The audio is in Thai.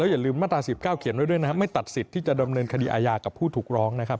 อย่าลืมมาตรา๑๙เขียนไว้ด้วยนะครับไม่ตัดสิทธิ์ที่จะดำเนินคดีอาญากับผู้ถูกร้องนะครับ